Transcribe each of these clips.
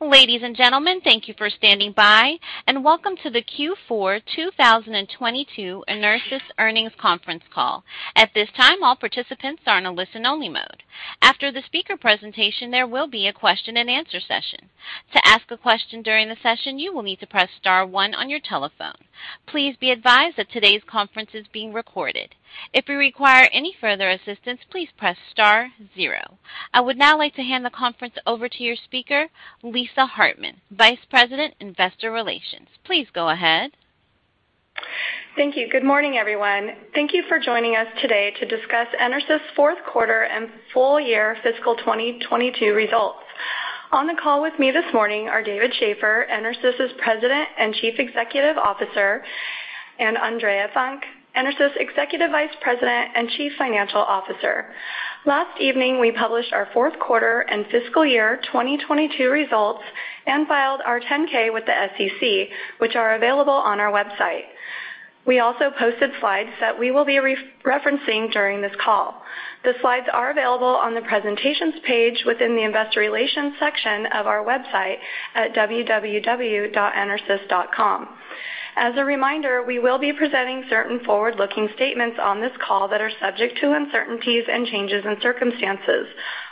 Ladies and gentlemen, thank you for standing by, and welcome to the Q4 2022 EnerSys Earnings Conference Call. At this time, all participants are in a listen-only mode. After the speaker presentation, there will be a question-and-answer session. To ask a question during the session, you will need to press star one on your telephone. Please be advised that today's conference is being recorded. If you require any further assistance, please press star zero. I would now like to hand the conference over to your speaker, Lisa Hartman, Vice President, Investor Relations. Please go ahead. Thank you. Good morning, everyone. Thank you for joining us today to discuss EnerSys' Fourth Quarter and Full Year Fiscal 2022 Results. On the call with me this morning are David Shaffer, EnerSys' President and Chief Executive Officer, and Andrea Funk, EnerSys' Executive Vice President and Chief Financial Officer. Last evening, we published our fourth quarter and fiscal year 2022 results and filed our 10-K with the SEC, which are available on our website. We also posted slides that we will be re-referencing during this call. The slides are available on the Presentations page within the Investor Relations section of our website at www.enersys.com. As a reminder, we will be presenting certain forward-looking statements on this call that are subject to uncertainties and changes in circumstances.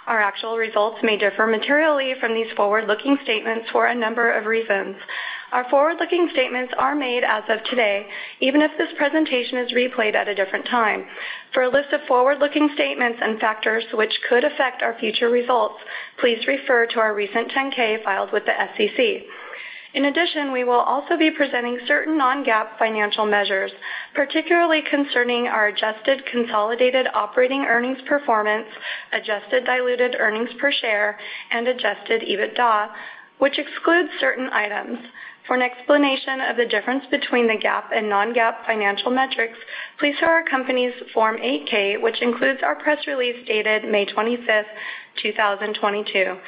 Our actual results may differ materially from these forward-looking statements for a number of reasons. Our forward-looking statements are made as of today, even if this presentation is replayed at a different time. For a list of forward-looking statements and factors which could affect our future results, please refer to our recent 10-K filed with the SEC. In addition, we will also be presenting certain non-GAAP financial measures, particularly concerning our adjusted consolidated operating earnings performance, adjusted diluted earnings per share, and adjusted EBITDA, which excludes certain items. For an explanation of the difference between the GAAP and non-GAAP financial metrics, please see our company's Form 8-K, which includes our press release dated May 25th, 2022.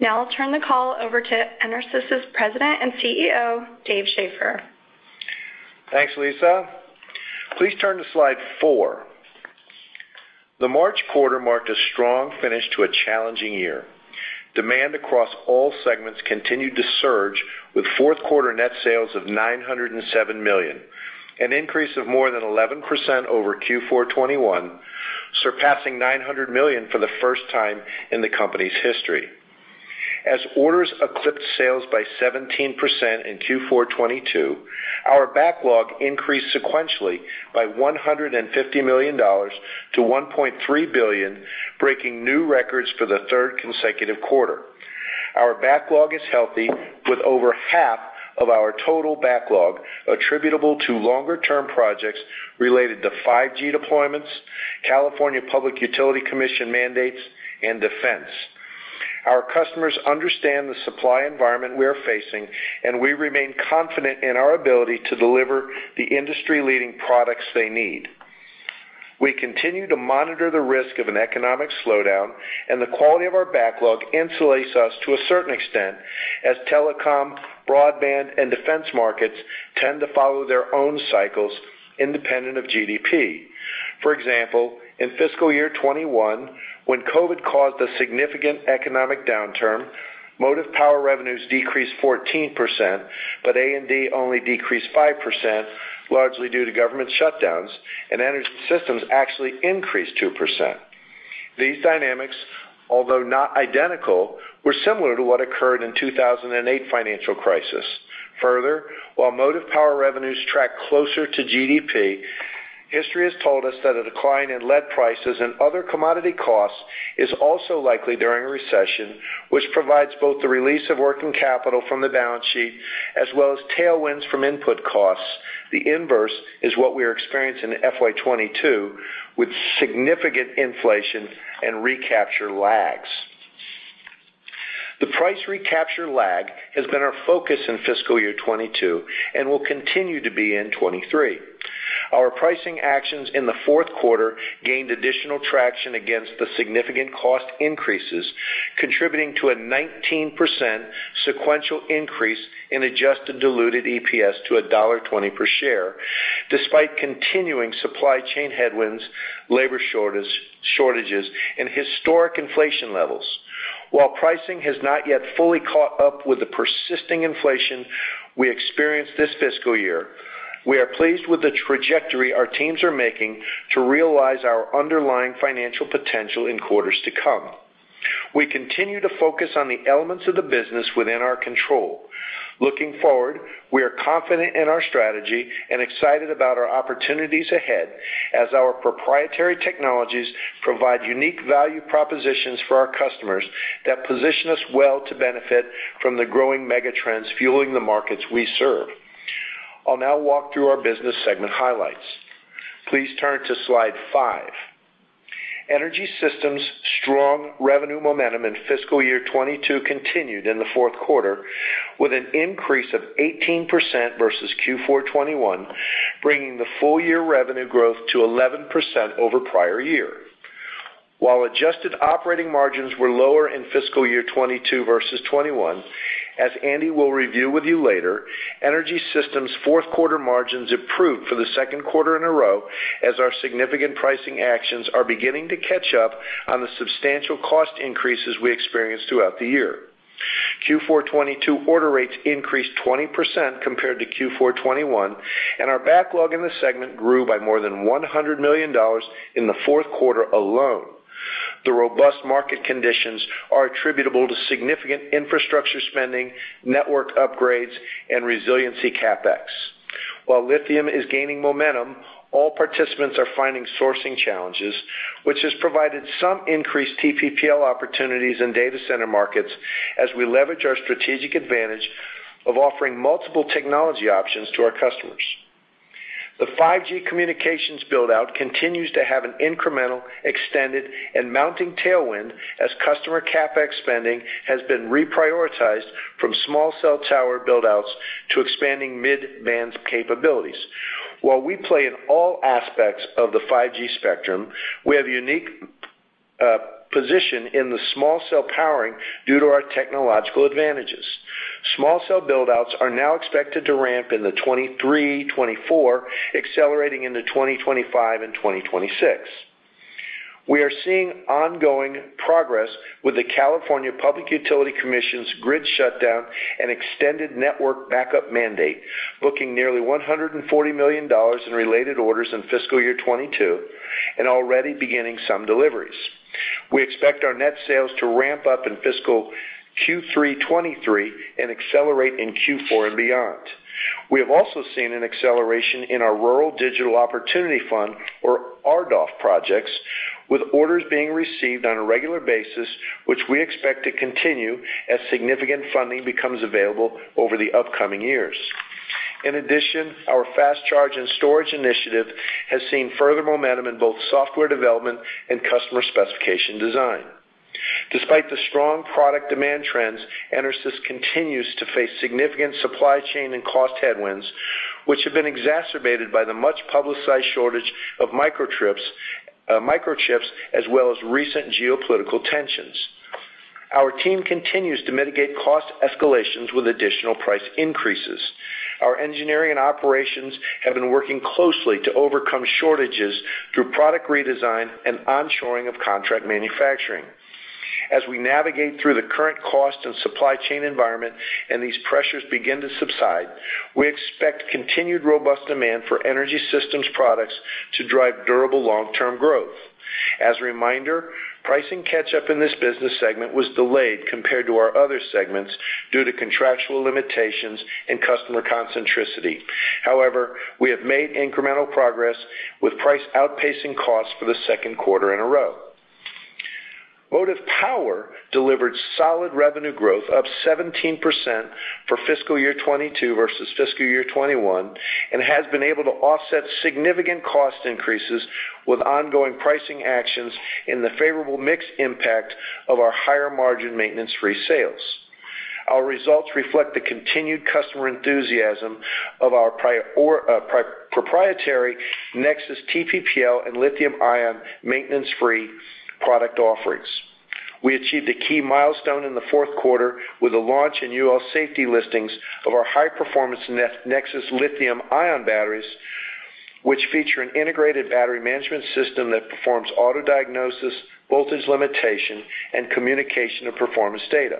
Now I'll turn the call over to EnerSys' President and Chief Executive Officer, David Shaffer. Thanks, Lisa. Please turn to slide four. The March quarter marked a strong finish to a challenging year. Demand across all segments continued to surge with fourth quarter net sales of $907 million, an increase of more than 11% over Q4 2021, surpassing $900 million for the first time in the company's history. As orders eclipsed sales by 17% in Q4 2022, our backlog increased sequentially by $150 million to $1.3 billion, breaking new records for the third consecutive quarter. Our backlog is healthy with over half of our total backlog attributable to longer term projects related to 5G deployments, California Public Utilities Commission mandates, and defense. Our customers understand the supply environment we are facing, and we remain confident in our ability to deliver the industry-leading products they need. We continue to monitor the risk of an economic slowdown and the quality of our backlog insulates us to a certain extent as telecom, broadband, and defense markets tend to follow their own cycles independent of GDP. For example, in fiscal year 2021, when COVID caused a significant economic downturn, Motive Power revenues decreased 14%, but A&D only decreased 5%, largely due to government shutdowns, and Energy Systems actually increased 2%. These dynamics, although not identical, were similar to what occurred in 2008 financial crisis. Further, while Motive Power revenues track closer to GDP, history has told us that a decline in lead prices and other commodity costs is also likely during a recession, which provides both the release of working capital from the balance sheet as well as tailwinds from input costs. The inverse is what we are experiencing in FY 2022 with significant inflation and recapture lags. The price recapture lag has been our focus in fiscal year 2022 and will continue to be in 2023. Our pricing actions in the fourth quarter gained additional traction against the significant cost increases, contributing to a 19% sequential increase in adjusted diluted EPS to $1.20 per share, despite continuing supply chain headwinds, labor shortages, and historic inflation levels. While pricing has not yet fully caught up with the persisting inflation we experienced this fiscal year, we are pleased with the trajectory our teams are making to realize our underlying financial potential in quarters to come. We continue to focus on the elements of the business within our control. Looking forward, we are confident in our strategy and excited about our opportunities ahead as our proprietary technologies provide unique value propositions for our customers that position us well to benefit from the growing megatrends fueling the markets we serve. I'll now walk through our business segment highlights. Please turn to slide five Energy Systems' strong revenue momentum in fiscal year 2022 continued in the fourth quarter, with an increase of 18% versus Q4 2021, bringing the full-year revenue growth to 11% over prior year. While adjusted operating margins were lower in fiscal year 2022 versus 2021, as Andi will review with you later, Energy Systems' fourth quarter margins improved for the second quarter in a row as our significant pricing actions are beginning to catch up on the substantial cost increases we experienced throughout the year. Q4 2022 order rates increased 20% compared to Q4 2021, and our backlog in the segment grew by more than $100 million in the fourth quarter alone. The robust market conditions are attributable to significant infrastructure spending, network upgrades, and resiliency CapEx. While lithium is gaining momentum, all participants are finding sourcing challenges, which has provided some increased TPPL opportunities in data center markets as we leverage our strategic advantage of offering multiple technology options to our customers. The 5G communications build-out continues to have an incremental, extended, and mounting tailwind as customer CapEx spending has been reprioritized from small cell tower build-outs to expanding mid-band capabilities. While we play in all aspects of the 5G spectrum, we have a unique position in the small cell powering due to our technological advantages. Small cell build-outs are now expected to ramp in the 2023, 2024, accelerating into 2025 and 2026. We are seeing ongoing progress with the California Public Utilities Commission's grid shutdown and extended network backup mandate, booking nearly $140 million in related orders in fiscal year 2022 and already beginning some deliveries. We expect our net sales to ramp up in fiscal Q3 2023 and accelerate in Q4 and beyond. We have also seen an acceleration in our Rural Digital Opportunity Fund, or RDOF projects, with orders being received on a regular basis, which we expect to continue as significant funding becomes available over the upcoming years. In addition, our fast charge and storage initiative has seen further momentum in both software development and customer specification design. Despite the strong product demand trends, EnerSys continues to face significant supply chain and cost headwinds, which have been exacerbated by the much-publicized shortage of microchips, as well as recent geopolitical tensions. Our team continues to mitigate cost escalations with additional price increases. Our engineering and operations have been working closely to overcome shortages through product redesign and onshoring of contract manufacturing. As we navigate through the current cost and supply chain environment and these pressures begin to subside, we expect continued robust demand for Energy Systems products to drive durable long-term growth. As a reminder, pricing catch-up in this business segment was delayed compared to our other segments due to contractual limitations and customer centricity. However, we have made incremental progress with price outpacing costs for the second quarter in a row. Motive Power delivered solid revenue growth up 17% for fiscal year 2022 versus fiscal year 2021 and has been able to offset significant cost increases with ongoing pricing actions in the favorable mix impact of our higher margin maintenance-free sales. Our results reflect the continued customer enthusiasm of our proprietary NexSys TPPL and Lithium-ion maintenance-free product offerings. We achieved a key milestone in the fourth quarter with the launch and UL safety listings of our high-performance NexSys Lithium-ion batteries, which feature an integrated battery management system that performs auto diagnosis, voltage limitation, and communication of performance data.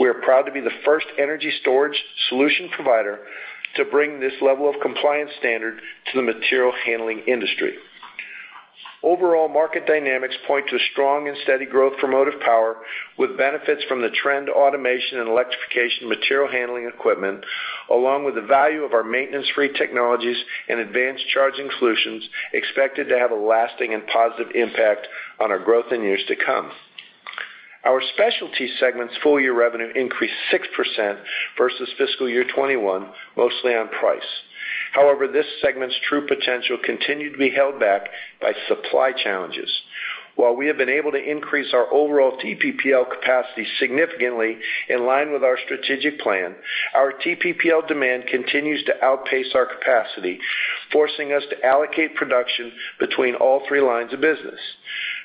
We are proud to be the first energy storage solution provider to bring this level of compliance standard to the material handling industry. Overall market dynamics point to strong and steady growth for Motive Power, with benefits from the trend automation and electrification material handling equipment, along with the value of our maintenance-free technologies and advanced charging solutions expected to have a lasting and positive impact on our growth in years to come. Our Specialties segment's full-year revenue increased 6% versus fiscal year 2021, mostly on price. However, this segment's true potential continued to be held back by supply challenges. While we have been able to increase our overall TPPL capacity significantly in line with our strategic plan, our TPPL demand continues to outpace our capacity, forcing us to allocate production between all three lines of business.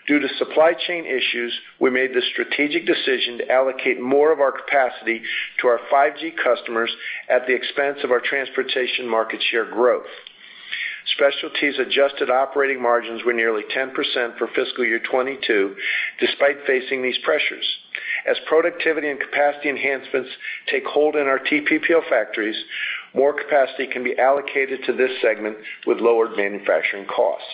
Due to supply chain issues, we made the strategic decision to allocate more of our capacity to our 5G customers at the expense of our transportation market share growth. Specialties adjusted operating margins were nearly 10% for fiscal year 2022, despite facing these pressures. As productivity and capacity enhancements take hold in our TPPL factories, more capacity can be allocated to this segment with lowered manufacturing costs.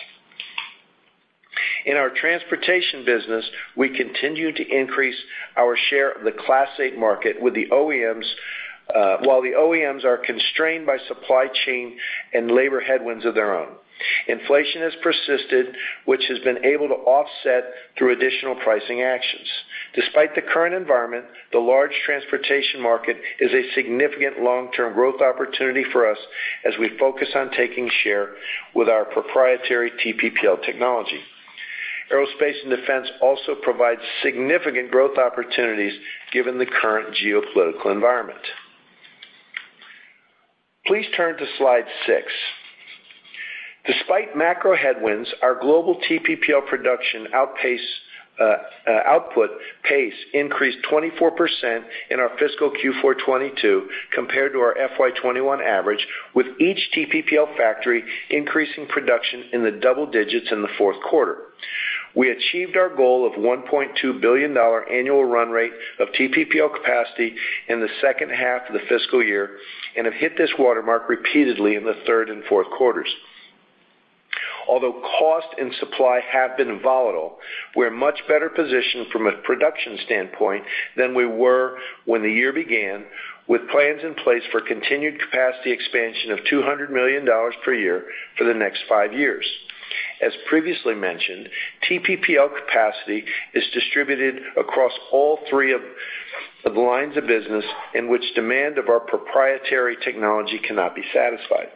In our transportation business, we continue to increase our share of the Class 8 market with the OEMs while the OEMs are constrained by supply chain and labor headwinds of their own. Inflation has persisted, which has been able to offset through additional pricing actions. Despite the current environment, the large transportation market is a significant long-term growth opportunity for us as we focus on taking share with our proprietary TPPL technology. Aerospace and defense also provides significant growth opportunities given the current geopolitical environment. Please turn to slide six. Despite macro headwinds, our global TPPL production output pace increased 24% in our fiscal Q4 2022 compared to our FY 2021 average, with each TPPL factory increasing production in the double digits in the fourth quarter. We achieved our goal of $1.2 billion annual run rate of TPPL capacity in the second half of the fiscal year, and have hit this watermark repeatedly in the third and fourth quarters. Although cost and supply have been volatile, we're much better positioned from a production standpoint than we were when the year began, with plans in place for continued capacity expansion of $200 million per year for the next five years. As previously mentioned, TPPL capacity is distributed across all three of the lines of business in which demand of our proprietary technology cannot be satisfied.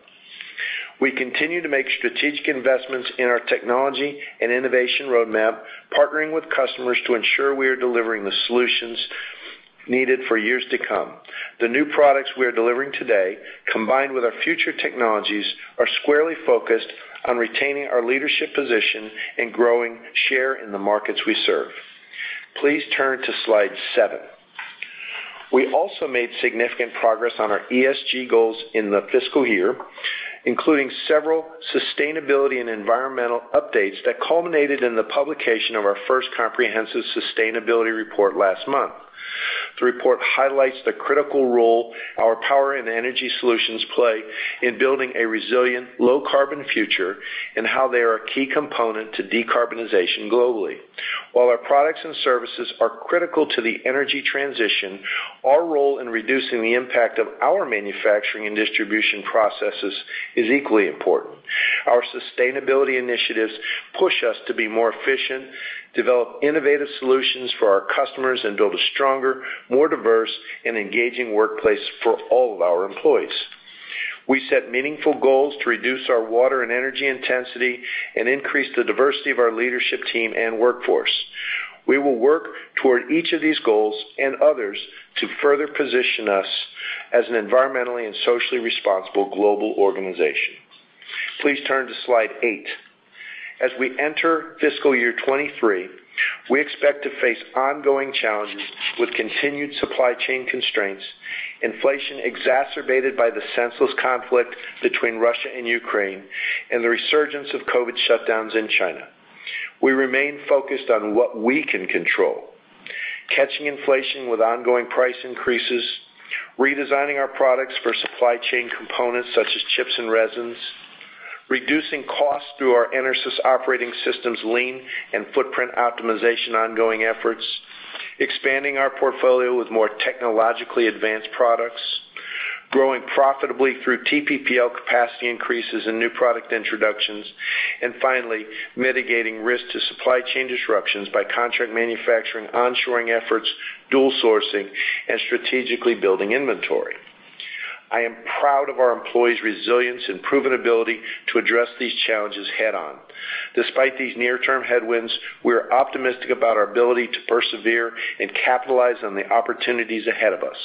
We continue to make strategic investments in our technology and innovation roadmap, partnering with customers to ensure we are delivering the solutions needed for years to come. The new products we are delivering today, combined with our future technologies, are squarely focused on retaining our leadership position and growing share in the markets we serve. Please turn to slide seven. We also made significant progress on our ESG goals in the fiscal year, including several sustainability and environmental updates that culminated in the publication of our first comprehensive sustainability report last month. The report highlights the critical role our power and energy solutions play in building a resilient low carbon future and how they are a key component to decarbonization globally. While our products and services are critical to the energy transition, our role in reducing the impact of our manufacturing and distribution processes is equally important. Our sustainability initiatives push us to be more efficient, develop innovative solutions for our customers, and build a stronger, more diverse and engaging workplace for all of our employees. We set meaningful goals to reduce our water and energy intensity and increase the diversity of our leadership team and workforce. We will work toward each of these goals and others to further position us as an environmentally and socially responsible global organization. Please turn to slide eight. As we enter fiscal year 2023, we expect to face ongoing challenges with continued supply chain constraints, inflation exacerbated by the senseless conflict between Russia and Ukraine, and the resurgence of COVID shutdowns in China. We remain focused on what we can control. Catching inflation with ongoing price increases, redesigning our products for supply chain components such as chips and resins, reducing costs through our EnerSys Operating System lean and footprint optimization ongoing efforts, expanding our portfolio with more technologically advanced products, growing profitably through TPPL capacity increases and new product introductions, and finally, mitigating risk to supply chain disruptions by contract manufacturing, onshoring efforts, dual sourcing, and strategically building inventory. I am proud of our employees' resilience and proven ability to address these challenges head-on. Despite these near-term headwinds, we are optimistic about our ability to persevere and capitalize on the opportunities ahead of us.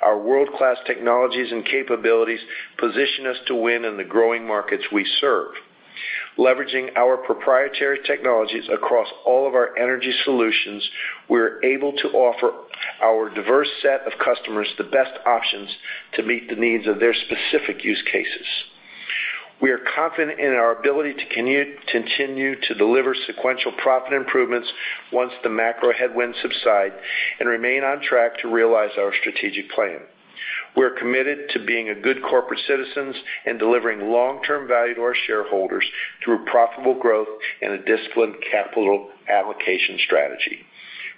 Our world-class technologies and capabilities position us to win in the growing markets we serve. Leveraging our proprietary technologies across all of our energy solutions, we're able to offer our diverse set of customers the best options to meet the needs of their specific use cases. We are confident in our ability to continue to deliver sequential profit improvements once the macro headwinds subside and remain on track to realize our strategic plan. We're committed to being good corporate citizens and delivering long-term value to our shareholders through profitable growth and a disciplined capital allocation strategy.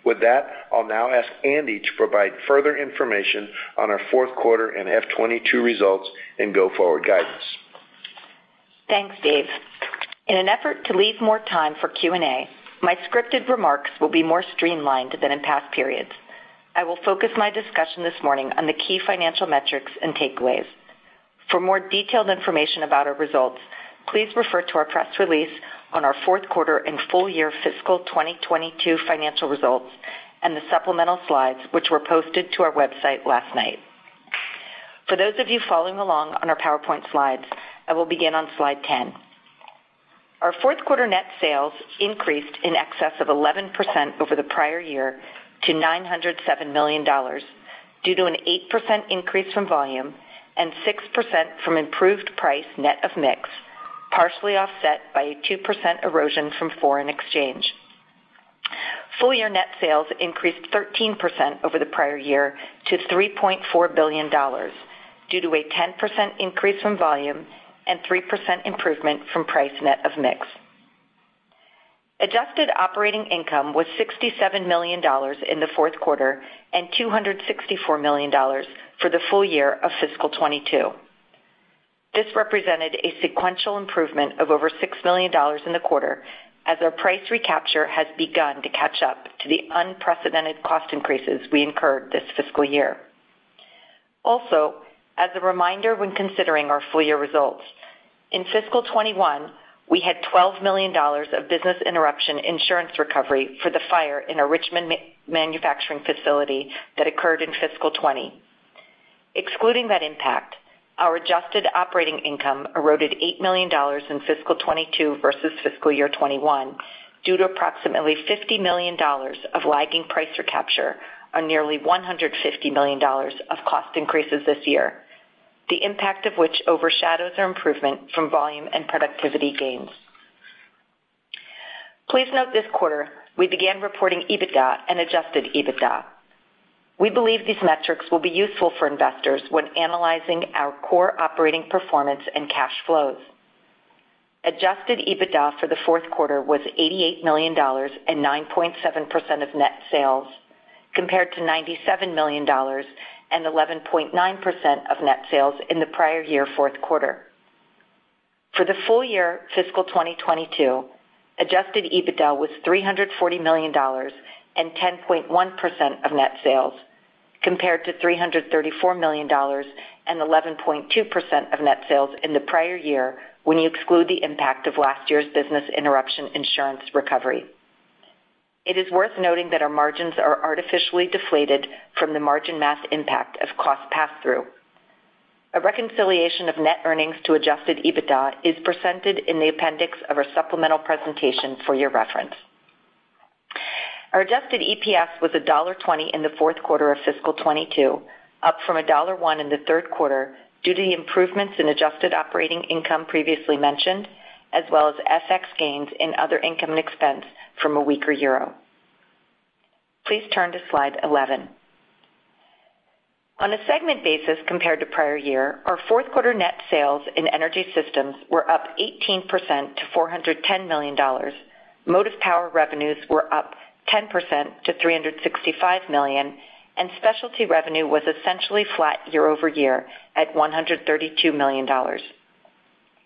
With that, I'll now ask Andy to provide further information on our fourth quarter and FY 2022 results and go-forward guidance. Thanks, Dave. In an effort to leave more time for Q&A, my scripted remarks will be more streamlined than in past periods. I will focus my discussion this morning on the key financial metrics and takeaways. For more detailed information about our results, please refer to our press release on our fourth quarter and full year fiscal 2022 financial results and the supplemental slides, which were posted to our website last night. For those of you following along on our PowerPoint slides, I will begin on slide 10. Our fourth quarter net sales increased in excess of 11% over the prior year to $907 million due to an 8% increase from volume and 6% from improved price net of mix, partially offset by a 2% erosion from foreign exchange. Full year net sales increased 13% over the prior year to $3.4 billion due to a 10% increase from volume and 3% improvement from price net of mix. Adjusted operating income was $67 million in the fourth quarter and $264 million for the full year of fiscal 2022. This represented a sequential improvement of over $6 million in the quarter as our price recapture has begun to catch up to the unprecedented cost increases we incurred this fiscal year. Also, as a reminder when considering our full year results, in fiscal 2021, we had $12 million of business interruption insurance recovery for the fire in our Richmond manufacturing facility that occurred in fiscal 2020. Excluding that impact, our adjusted operating income eroded $8 million in fiscal 2022 versus fiscal year 2021 due to approximately $50 million of lagging price recapture on nearly $150 million of cost increases this year. The impact of which overshadows our improvement from volume and productivity gains. Please note this quarter, we began reporting EBITDA and adjusted EBITDA. We believe these metrics will be useful for investors when analyzing our core operating performance and cash flows. Adjusted EBITDA for the fourth quarter was $88 million and 9.7% of net sales, compared to $97 million and 11.9% of net sales in the prior year fourth quarter. For the full year fiscal 2022, adjusted EBITDA was $340 million and 10.1% of net sales, compared to $334 million and 11.2% of net sales in the prior year, when you exclude the impact of last year's business interruption insurance recovery. It is worth noting that our margins are artificially deflated from the margin math impact of cost pass-through. A reconciliation of net earnings to adjusted EBITDA is presented in the appendix of our supplemental presentation for your reference. Our adjusted EPS was $1.20 in the fourth quarter of fiscal 2022, up from $1.01 in the third quarter due to the improvements in adjusted operating income previously mentioned, as well as FX gains in other income and expense from a weaker euro. Please turn to slide 11. On a segment basis compared to prior year, our fourth quarter net sales in Energy Systems were up 18% to $410 million. Motive Power revenues were up 10% to $365 million, and Specialty revenue was essentially flat year-over-year at $132 million.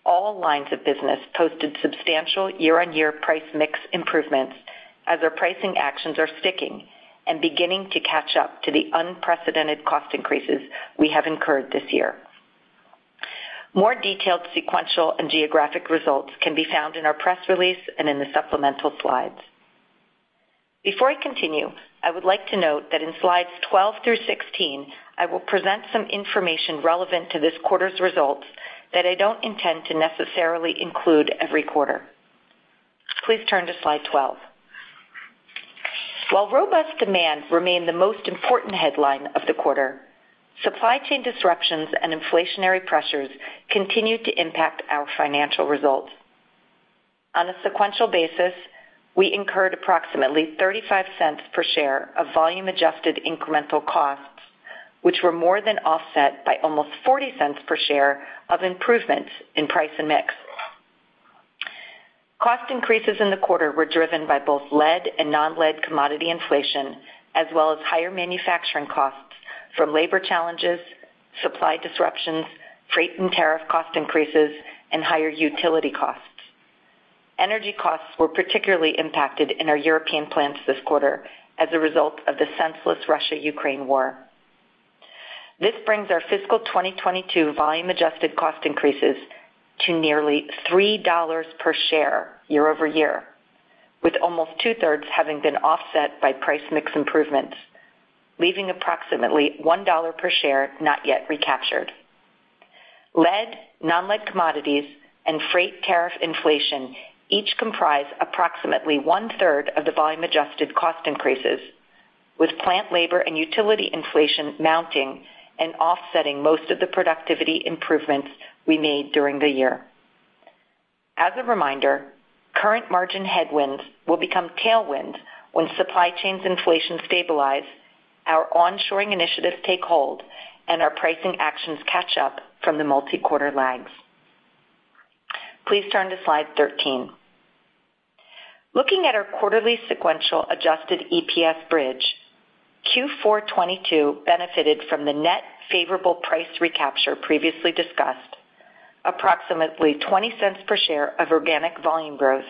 All lines of business posted substantial year-on-year price mix improvements as our pricing actions are sticking and beginning to catch up to the unprecedented cost increases we have incurred this year. More detailed sequential and geographic results can be found in our press release and in the supplemental slides. Before I continue, I would like to note that in slides 12 through 16, I will present some information relevant to this quarter's results that I don't intend to necessarily include every quarter. Please turn to slide 12. While robust demand remained the most important headline of the quarter, supply chain disruptions and inflationary pressures continued to impact our financial results. On a sequential basis, we incurred approximately $0.35 per share of volume adjusted incremental costs, which were more than offset by almost $0.40 per share of improvements in price and mix. Cost increases in the quarter were driven by both lead and non-lead commodity inflation, as well as higher manufacturing costs from labor challenges, supply disruptions, freight and tariff cost increases, and higher utility costs. Energy costs were particularly impacted in our European plants this quarter as a result of the senseless Russia-Ukraine war. This brings our fiscal 2022 volume adjusted cost increases to nearly $3 per share year-over-year, with almost two-thirds having been offset by price mix improvements, leaving approximately $1 per share not yet recaptured. Lead, non-lead commodities, and freight tariff inflation each comprise approximately one-third of the volume adjusted cost increases, with plant labor and utility inflation mounting and offsetting most of the productivity improvements we made during the year. As a reminder, current margin headwinds will become tailwinds when supply chain inflation stabilize, our onshoring initiatives take hold, and our pricing actions catch up from the multi-quarter lags. Please turn to slide 13. Looking at our quarterly sequential adjusted EPS bridge, Q4 2022 benefited from the net favorable price recapture previously discussed, approximately $0.20 per share of organic volume growth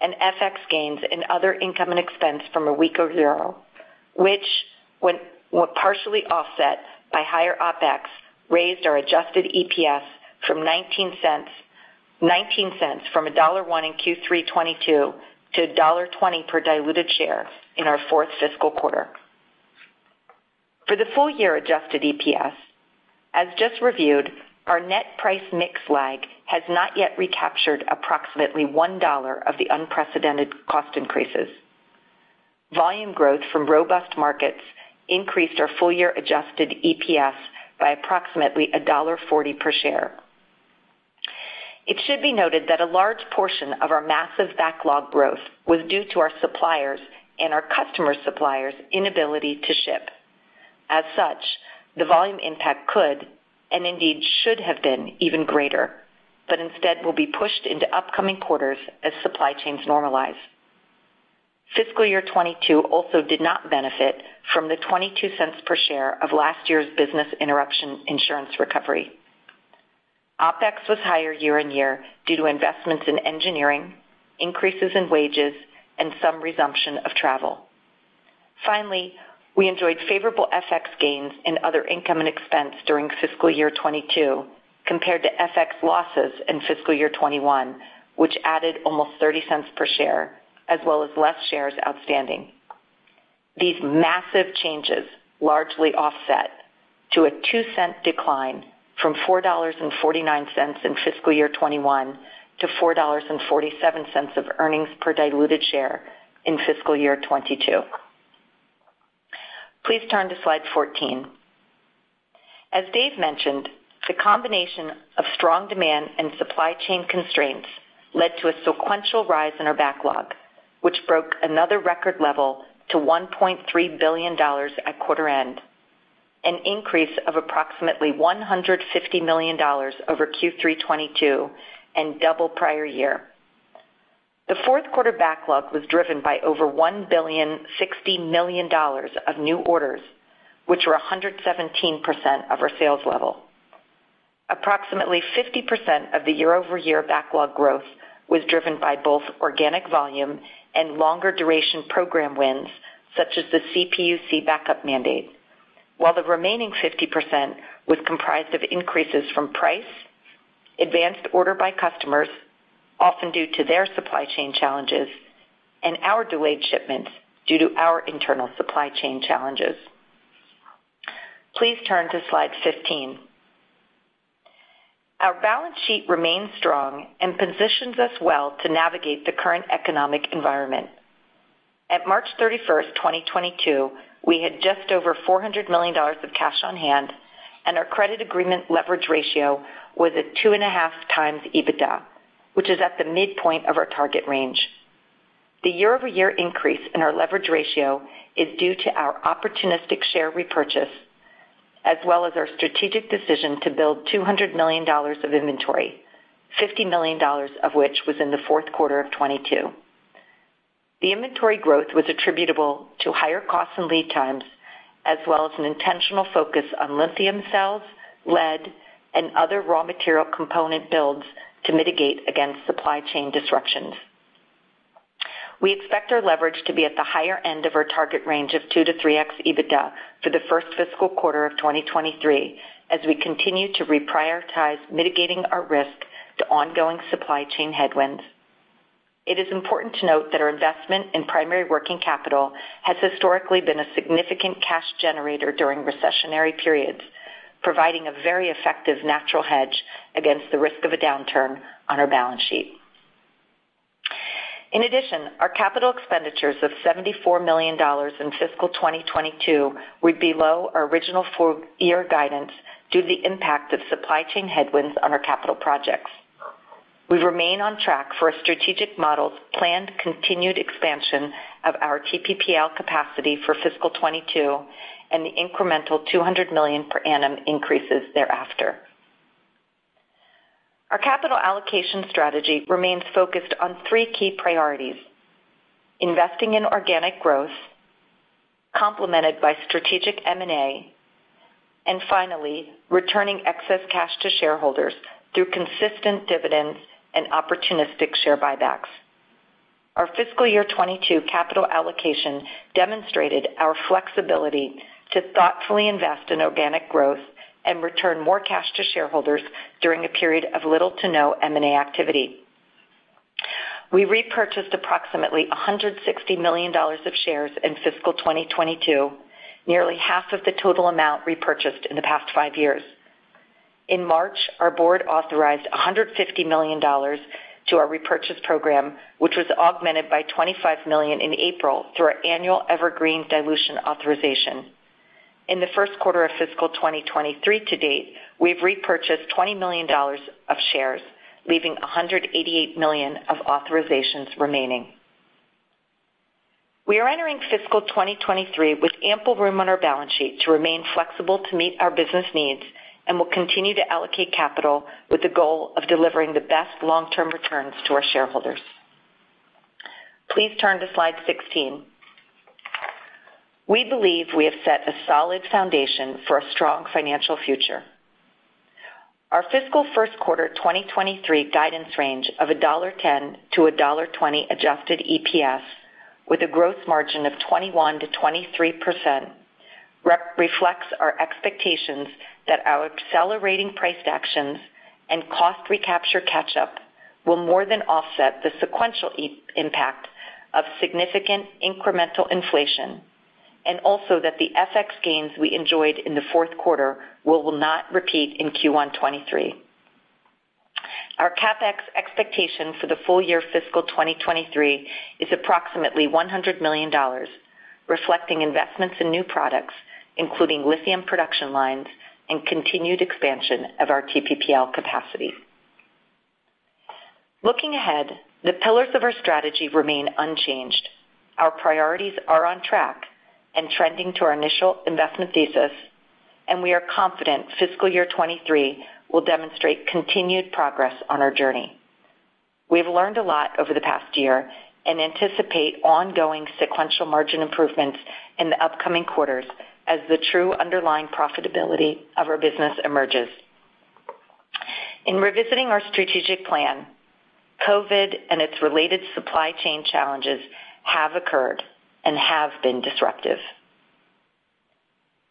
and FX gains in other income and expense from a weaker euro, which, when partially offset by higher OpEx, raised our adjusted EPS from $1.19 in Q3 2022 to $1.20 per diluted share in our fourth fiscal quarter. For the full-year adjusted EPS, as just reviewed, our net price mix lag has not yet recaptured approximately $1 of the unprecedented cost increases. Volume growth from robust markets increased our full-year adjusted EPS by approximately $1.40 per share. It should be noted that a large portion of our massive backlog growth was due to our suppliers and our customer suppliers inability to ship. As such, the volume impact could, and indeed should have been even greater, but instead will be pushed into upcoming quarters as supply chains normalize. Fiscal year 2022 also did not benefit from the $0.22 per share of last year's business interruption insurance recovery. OpEx was higher year-on-year due to investments in engineering, increases in wages, and some resumption of travel. Finally, we enjoyed favorable FX gains in other income and expense during fiscal year 2022 compared to FX losses in fiscal year 2021, which added almost $0.30 per share as well as fewer shares outstanding. These massive changes largely offset to a $0.02 decline from $4.49 in fiscal year 2021 to $4.47 of earnings per diluted share in fiscal year 2022. Please turn to slide 14. As Dave mentioned, the combination of strong demand and supply chain constraints led to a sequential rise in our backlog, which broke another record level to $1.3 billion at quarter end, an increase of approximately $150 million over Q3 2022, and double prior year. The fourth quarter backlog was driven by over $1.06 billion of new orders, which were 117% of our sales level. Approximately 50% of the year-over-year backlog growth was driven by both organic volume and longer duration program wins, such as the CPUC backup mandate, while the remaining 50% was comprised of increases from price, advanced order by customers, often due to their supply chain challenges, and our delayed shipments due to our internal supply chain challenges. Please turn to slide 15. Our balance sheet remains strong and positions us well to navigate the current economic environment. At March 31st, 2022, we had just over $400 million of cash on hand, and our credit agreement leverage ratio was at 2.5x EBITDA, which is at the midpoint of our target range. The year-over-year increase in our leverage ratio is due to our opportunistic share repurchase, as well as our strategic decision to build $200 million of inventory, $50 million of which was in the fourth quarter of 2022. The inventory growth was attributable to higher costs and lead times, as well as an intentional focus on lithium cells, lead, and other raw material component builds to mitigate against supply chain disruptions. We expect our leverage to be at the higher end of our target range of 2x-3x EBITDA for the first fiscal quarter of 2023 as we continue to reprioritize mitigating our risk to ongoing supply chain headwinds. It is important to note that our investment in primary working capital has historically been a significant cash generator during recessionary periods, providing a very effective natural hedge against the risk of a downturn on our balance sheet. Our capital expenditures of $74 million in fiscal 2022 were below our original full year guidance due to the impact of supply chain headwinds on our capital projects. We remain on track for a strategic model's planned continued expansion of our TPPL capacity for fiscal 2022 and the incremental $200 million per annum increases thereafter. Our capital allocation strategy remains focused on three key priorities, investing in organic growth, complemented by strategic M&A, and finally, returning excess cash to shareholders through consistent dividends and opportunistic share buybacks. Our fiscal year 2022 capital allocation demonstrated our flexibility to thoughtfully invest in organic growth and return more cash to shareholders during a period of little to no M&A activity. We repurchased approximately $160 million of shares in fiscal 2022, nearly half of the total amount repurchased in the past five years. In March, our board authorized $150 million to our repurchase program, which was augmented by $25 million in April through our annual evergreen dilution authorization. In the first quarter of fiscal 2023 to date, we've repurchased $20 million of shares, leaving $188 million of authorizations remaining. We are entering fiscal 2023 with ample room on our balance sheet to remain flexible to meet our business needs and will continue to allocate capital with the goal of delivering the best long-term returns to our shareholders. Please turn to slide 16. We believe we have set a solid foundation for a strong financial future. Our fiscal first quarter 2023 guidance range of $1.10-$1.20 adjusted EPS with a growth margin of 21%-23% reflects our expectations that our accelerating price actions and cost recapture catch-up will more than offset the sequential impact of significant incremental inflation, and also that the FX gains we enjoyed in the fourth quarter will not repeat in Q1 2023. Our CapEx expectation for the full year fiscal 2023 is approximately $100 million, reflecting investments in new products, including lithium production lines and continued expansion of our TPPL capacity. Looking ahead, the pillars of our strategy remain unchanged. Our priorities are on track and trending to our initial investment thesis, and we are confident fiscal year 2023 will demonstrate continued progress on our journey. We've learned a lot over the past year and anticipate ongoing sequential margin improvements in the upcoming quarters as the true underlying profitability of our business emerges. In revisiting our strategic plan, COVID and its related supply chain challenges have occurred and have been disruptive.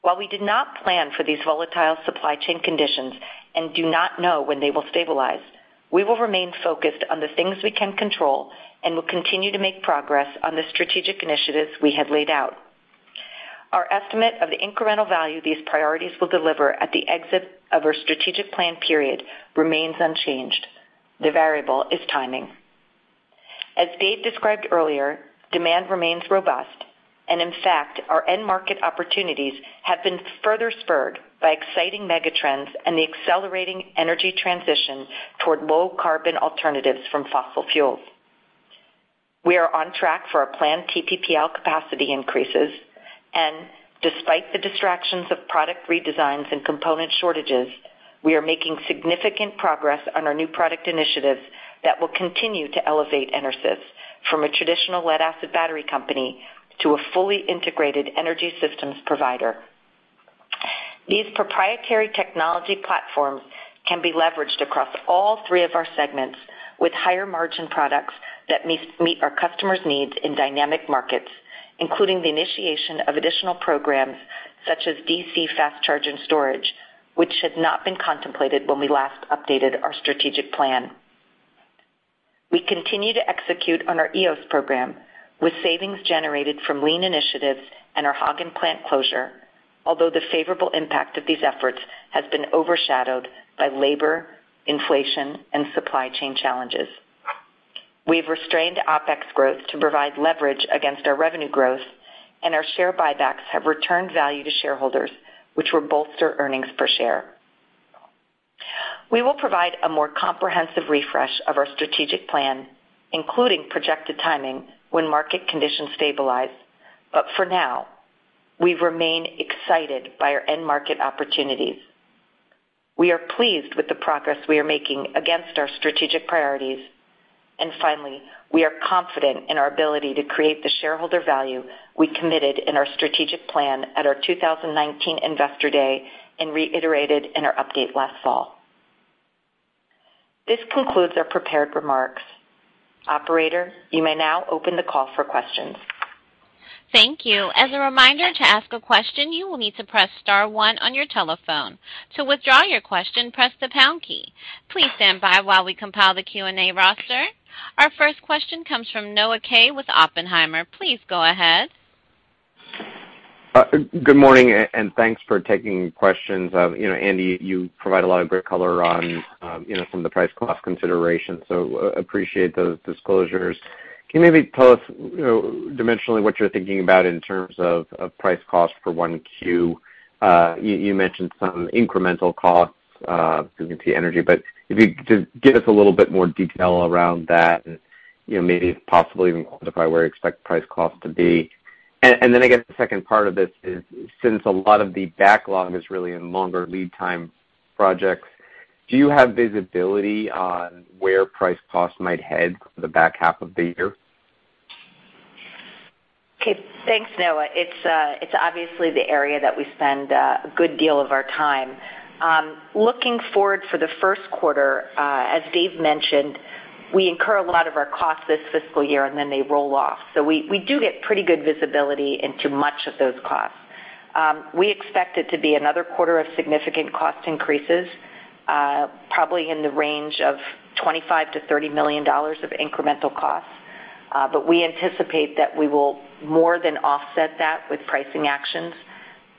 While we did not plan for these volatile supply chain conditions and do not know when they will stabilize, we will remain focused on the things we can control and will continue to make progress on the strategic initiatives we have laid out. Our estimate of the incremental value these priorities will deliver at the exit of our strategic plan period remains unchanged. The variable is timing. As Dave described earlier, demand remains robust. In fact, our end market opportunities have been further spurred by exciting megatrends and the accelerating energy transition toward low carbon alternatives from fossil fuels. We are on track for our planned TPPL capacity increases. Despite the distractions of product redesigns and component shortages, we are making significant progress on our new product initiatives that will continue to elevate EnerSys from a traditional lead acid battery company to a fully integrated energy systems provider. These proprietary technology platforms can be leveraged across all three of our segments with higher margin products that meet our customers' needs in dynamic markets, including the initiation of additional programs such as DC fast charge and storage, which had not been contemplated when we last updated our strategic plan. We continue to execute on our EOS program with savings generated from lean initiatives and our Hagen plant closure, although the favorable impact of these efforts has been overshadowed by labor, inflation, and supply chain challenges. We've restrained OpEx growth to provide leverage against our revenue growth, and our share buybacks have returned value to shareholders, which will bolster earnings per share. We will provide a more comprehensive refresh of our strategic plan, including projected timing when market conditions stabilize. For now, we remain excited by our end market opportunities. We are pleased with the progress we are making against our strategic priorities. Finally, we are confident in our ability to create the shareholder value we committed in our strategic plan at our 2019 investor day and reiterated in our update last fall. This concludes our prepared remarks. Operator, you may now open the call for questions. Thank you. As a reminder, to ask a question, you will need to press star one on your telephone. To withdraw your question, press the pound key. Please stand by while we compile the Q&A roster. Our first question comes from Noah Kaye with Oppenheimer. Please go ahead. Good morning and thanks for taking questions. You know, Andy, you provide a lot of great color on, you know, some of the price cost considerations, so appreciate those disclosures. Can you maybe tell us, you know, dimensionally what you're thinking about in terms of price cost for 1Q? You mentioned some incremental costs due to energy, but if you could just give us a little bit more detail around that and, you know, maybe possibly even quantify where you expect price cost to be. I guess the second part of this is, since a lot of the backlog is really in longer lead time projects, do you have visibility on where price cost might head for the back half of the year? Okay, thanks, Noah. It's obviously the area that we spend a good deal of our time. Looking forward for the first quarter, as Dave mentioned, we incur a lot of our costs this fiscal year, and then they roll off. We do get pretty good visibility into much of those costs. We expect it to be another quarter of significant cost increases, probably in the range of $25 million-$30 million of incremental costs. But we anticipate that we will more than offset that with pricing actions.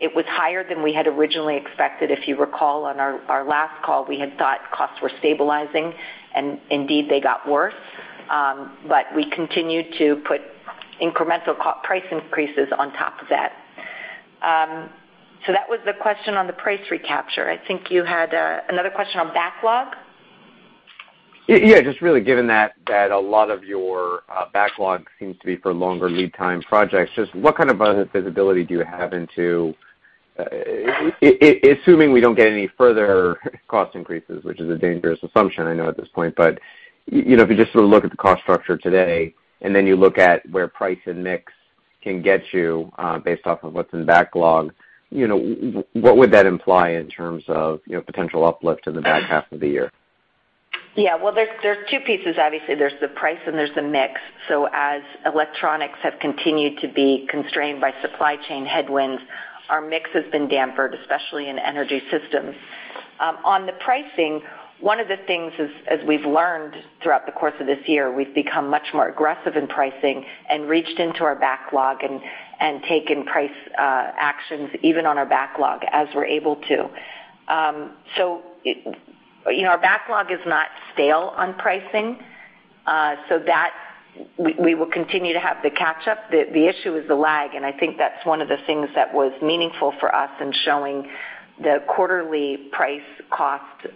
It was higher than we had originally expected. If you recall on our last call, we had thought costs were stabilizing, and indeed they got worse. But we continued to put incremental price increases on top of that. That was the question on the price recapture. I think you had another question on backlog. Yeah, just really given that a lot of your backlog seems to be for longer lead time projects, just what kind of visibility do you have into assuming we don't get any further cost increases, which is a dangerous assumption, I know at this point, but, you know, if you just sort of look at the cost structure today, and then you look at where price and mix can get you based off of what's in backlog, you know, what would that imply in terms of, you know, potential uplift in the back half of the year? Yeah. Well, there's two pieces obviously. There's the price and there's the mix. So as electronics have continued to be constrained by supply chain headwinds, our mix has been dampened, especially in Energy Systems. On the pricing, one of the things as we've learned throughout the course of this year, we've become much more aggressive in pricing and reached into our backlog and taken price actions even on our backlog as we're able to. So, you know, our backlog is not stale on pricing, so that we will continue to have the catch up. The issue is the lag, and I think that's one of the things that was meaningful for us in showing the quarterly price-cost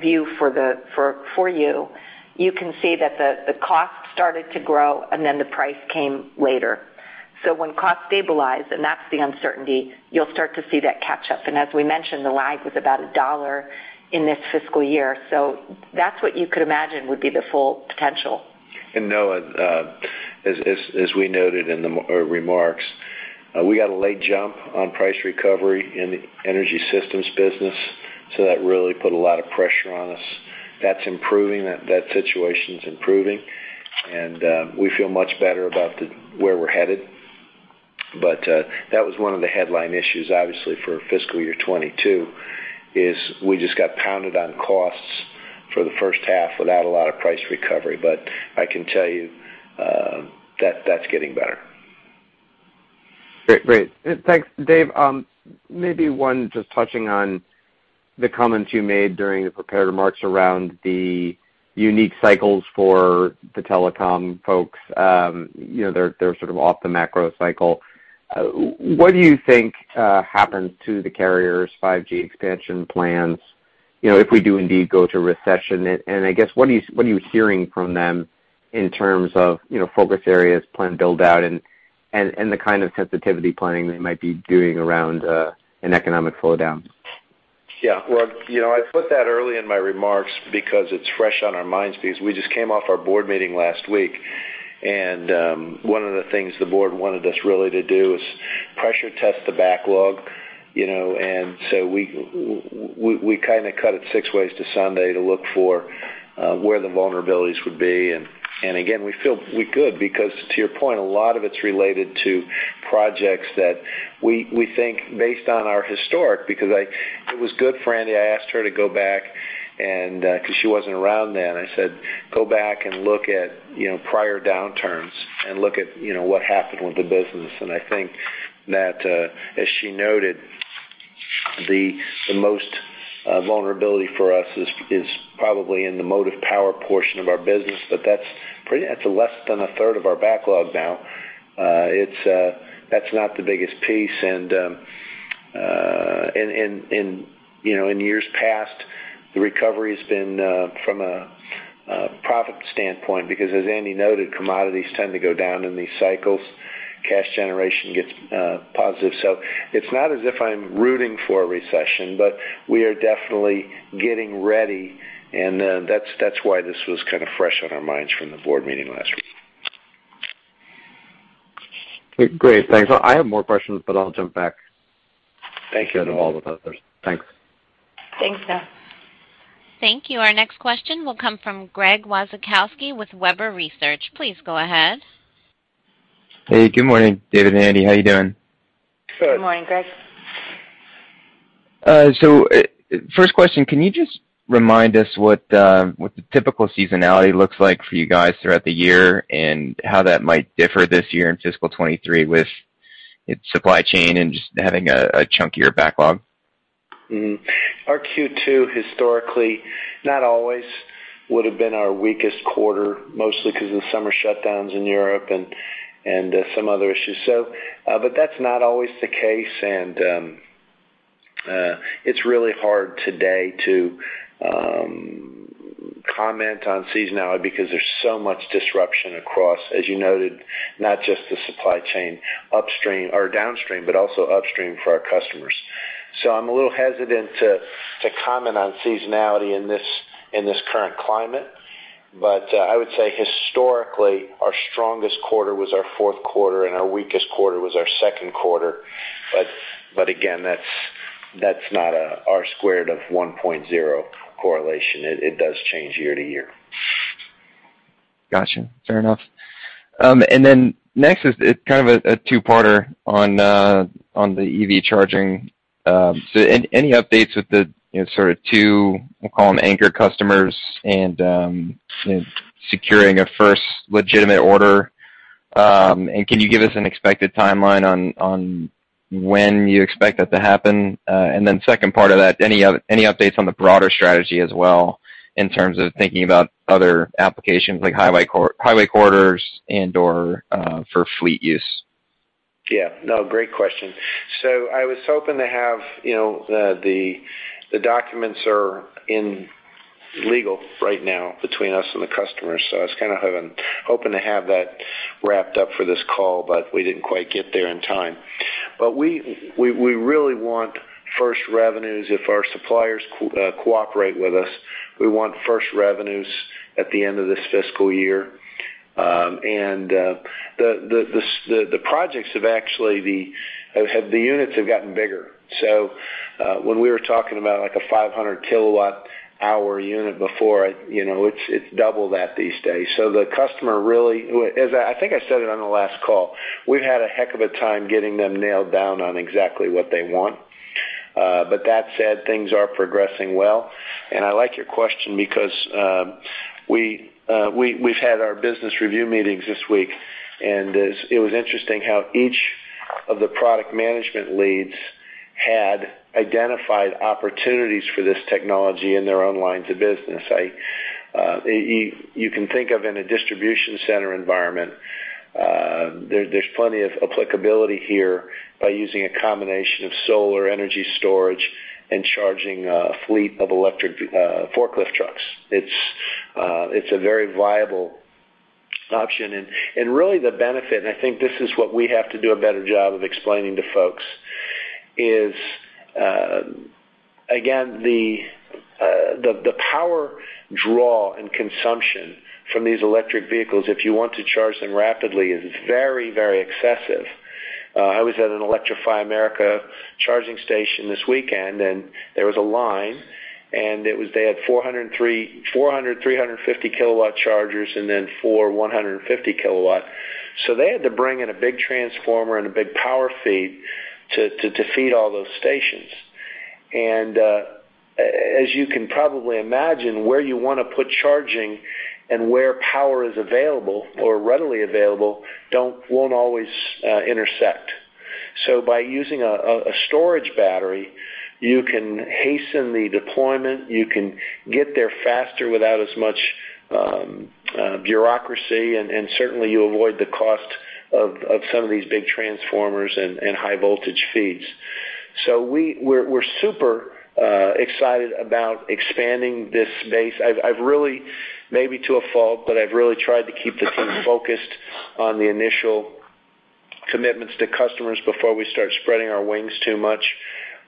view for you. You can see that the cost started to grow and then the price came later. When costs stabilize, and that's the uncertainty, you'll start to see that catch up. As we mentioned, the lag was about $1 in this fiscal year. That's what you could imagine would be the full potential. Noah, as we noted in the remarks, we got a late jump on price recovery in the Energy Systems business, so that really put a lot of pressure on us. That's improving. That situation is improving, and we feel much better about where we're headed. That was one of the headline issues, obviously for fiscal year 2022, is we just got pounded on costs for the first half without a lot of price recovery. I can tell you that that's getting better. Great. Thanks, Dave. Maybe one just touching on the comments you made during the prepared remarks around the unique cycles for the telecom folks. You know, they're sort of off the macro cycle. What do you think happened to the carrier's 5G expansion plans, you know, if we do indeed go to recession? I guess, what are you hearing from them in terms of, you know, focus areas, plan build-out, and the kind of sensitivity planning they might be doing around an economic slowdown? Yeah. Well, you know, I put that early in my remarks because it's fresh on our minds because we just came off our board meeting last week. One of the things the board wanted us really to do is pressure test the backlog, you know. We kinda cut it six ways to Sunday to look for where the vulnerabilities would be. Again, we feel we could, because to your point, a lot of it's related to projects that we think based on our historic. It was good for Andi. I asked her to go back and 'cause she wasn't around then. I said, "Go back and look at, you know, prior downturns and look at, you know, what happened with the business." I think that, as she noted, the most vulnerability for us is probably in the Motive Power portion of our business, but that's pretty. That's less than a third of our backlog now. It's, that's not the biggest piece. You know, in years past, the recovery has been from a profit standpoint because as Andy noted, commodities tend to go down in these cycles. Cash generation gets positive. It's not as if I'm rooting for a recession, but we are definitely getting ready, and that's why this was kind of fresh on our minds from the board meeting last week. Great. Thanks. I have more questions, but I'll jump back. Thank you. To all the others. Thanks. Thanks, Doug. Thank you. Our next question will come from Greg Lewis with BTIG. Please go ahead. Hey, good morning, David and Andy. How are you doing? Good. Good morning, Greg. First question, can you just remind us what the typical seasonality looks like for you guys throughout the year, and how that might differ this year in fiscal 2023 with its supply chain and just having a chunkier backlog? Mm-hmm. Our Q2 historically, not always, would have been our weakest quarter, mostly 'cause of the summer shutdowns in Europe and some other issues. But that's not always the case, and it's really hard today to comment on seasonality because there's so much disruption across, as you noted, not just the supply chain upstream or downstream, but also upstream for our customers. I'm a little hesitant to comment on seasonality in this current climate. I would say historically, our strongest quarter was our fourth quarter, and our weakest quarter was our second quarter. Again, that's not a R-squared of 1.0 correlation. It does change year to year. Gotcha. Fair enough. Next is kind of a two-parter on the EV charging. So any updates with the, you know, sort of two, we'll call them anchor customers and securing a first legitimate order? Can you give us an expected timeline on when you expect that to happen? Second part of that, any updates on the broader strategy as well in terms of thinking about other applications like highway corridors and/or for fleet use? Yeah. No, great question. I was hoping to have, you know, the documents in legal right now between us and the customers wrapped up for this call, but we didn't quite get there in time. We really want first revenues. If our suppliers cooperate with us, we want first revenues at the end of this fiscal year. The projects have actually gotten bigger. The units have gotten bigger. When we were talking about like a 500 kWh unit before, you know, it's double that these days. The customer really. As I think I said it on the last call, we've had a heck of a time getting them nailed down on exactly what they want. That said, things are progressing well. I like your question because we've had our business review meetings this week, and it was interesting how each of the product management leads had identified opportunities for this technology in their own lines of business. You can think of in a distribution center environment, there's plenty of applicability here by using a combination of solar energy storage and charging a fleet of electric forklift trucks. It's a very viable option. Really the benefit, and I think this is what we have to do a better job of explaining to folks, is, again, the power draw and consumption from these electric vehicles, if you want to charge them rapidly, is very, very excessive. I was at an Electrify America charging station this weekend, and there was a line, and it was. They had four 350 kW chargers and then four 150 kW. They had to bring in a big transformer and a big power feed to feed all those stations. As you can probably imagine, where you wanna put charging and where power is available or readily available won't always intersect. By using a storage battery, you can hasten the deployment, you can get there faster without as much bureaucracy, and certainly you avoid the cost of some of these big transformers and high voltage feeds. We're super excited about expanding this space. I've really, maybe to a fault, but I've really tried to keep the team focused on the initial commitments to customers before we start spreading our wings too much.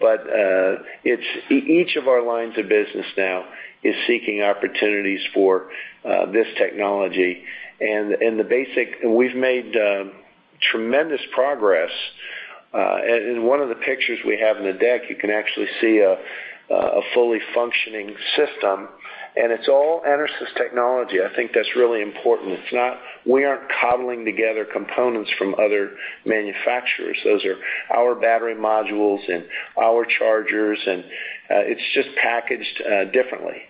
Each of our lines of business now is seeking opportunities for this technology. We've made tremendous progress. In one of the pictures we have in the deck, you can actually see a fully functioning system, and it's all EnerSys technology. I think that's really important. We aren't cobbling together components from other manufacturers. Those are our battery modules and our chargers, and it's just packaged differently.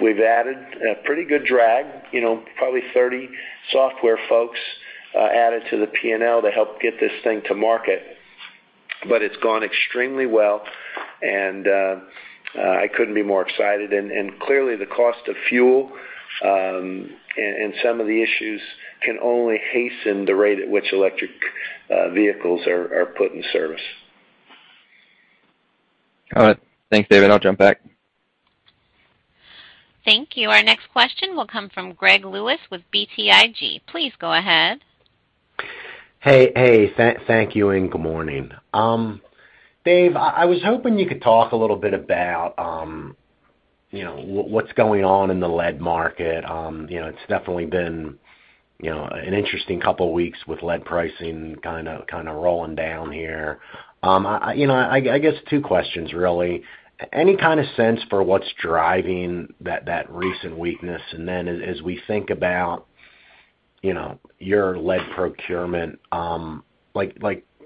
We've added a pretty good drag, you know, probably 30 software folks added to the P&L to help get this thing to market. It's gone extremely well, and I couldn't be more excited. Clearly the cost of fuel, and some of the issues can only hasten the rate at which electric vehicles are put in service. All right. Thanks, David. I'll jump back. Thank you. Our next question will come from Gregory Lewis with BTIG. Please go ahead. Hey, thank you and good morning. Dave, I was hoping you could talk a little bit about, you know, what's going on in the lead market. You know, it's definitely been, you know, an interesting couple weeks with lead pricing kinda rolling down here. You know, I guess two questions really. Any kind of sense for what's driving that recent weakness? And then as we think about, you know, your lead procurement, like,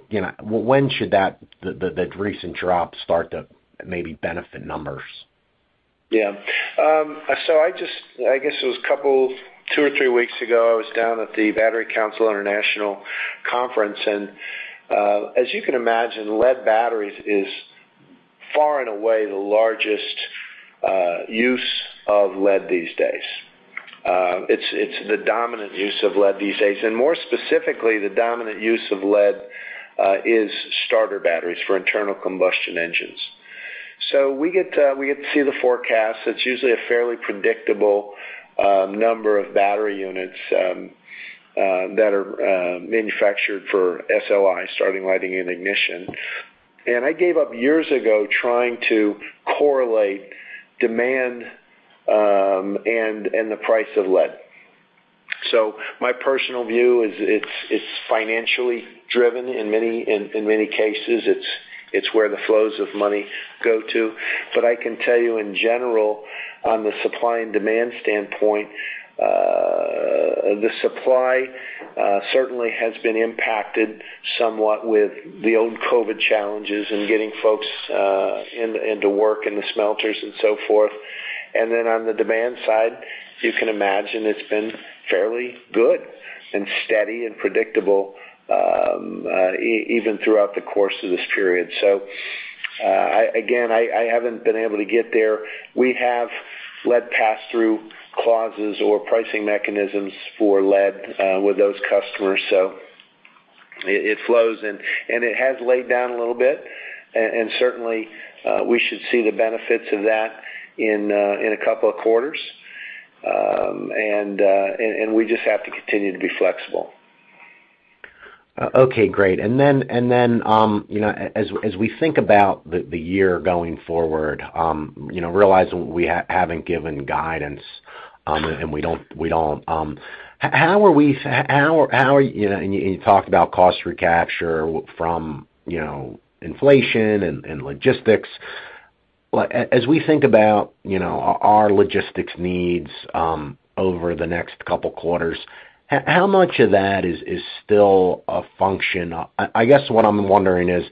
you know, when should the recent drop start to maybe benefit numbers? Yeah. So I guess it was a couple, two or three weeks ago, I was down at the Battery Council International Conference. As you can imagine, lead batteries is far and away the largest use of lead these days. It's the dominant use of lead these days. More specifically, the dominant use of lead is starter batteries for internal combustion engines. We get to see the forecast. It's usually a fairly predictable number of battery units that are manufactured for SLI, starting, lighting, and ignition. I gave up years ago trying to correlate demand and the price of lead. My personal view is it's financially driven in many cases. It's where the flows of money go to. I can tell you in general, on the supply and demand standpoint, the supply certainly has been impacted somewhat with the old COVID challenges and getting folks into work in the smelters and so forth. On the demand side, you can imagine it's been fairly good and steady and predictable, even throughout the course of this period. Again, I haven't been able to get there. We have lead pass-through clauses or pricing mechanisms for lead with those customers, so it flows. It has laid down a little bit. Certainly, we should see the benefits of that in a couple of quarters. We just have to continue to be flexible. Okay, great. You know, as we think about the year going forward, you know, realizing we haven't given guidance, and we don't. You know, you talked about cost recapture from, you know, inflation and logistics. Like, as we think about, you know, our logistics needs over the next couple quarters, how much of that is still a function, I guess what I'm wondering is,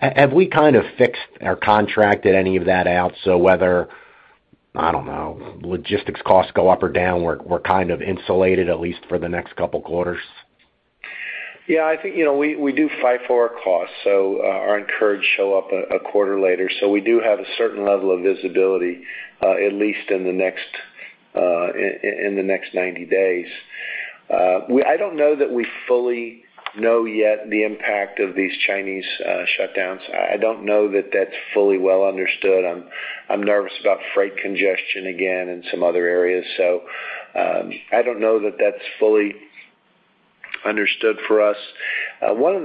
have we kind of fixed or contracted any of that out, so whether, I don't know, logistics costs go up or down, we're kind of insulated at least for the next couple quarters? Yeah, I think, you know, we do fight for our costs, so our increments show up a quarter later. We do have a certain level of visibility, at least in the next 90 days. I don't know that we fully know yet the impact of these Chinese shutdowns. I don't know that that's fully understood. I'm nervous about freight congestion again in some other areas. I don't know that that's fully understood for us. One of